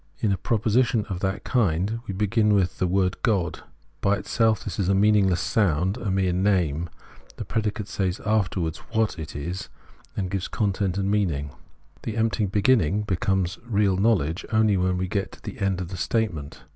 In a proposition of that kind we begin with the word God. By itself this is a meaningless sound, a mere name ; the predicate says afterwards wliat it is, gives it content and meaning : the empty beginning becomes real knowledge only when we thus get to the end of the statement.